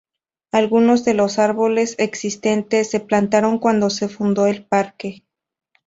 Algunos de los árboles existentes se plantaron cuando se fundó el parque.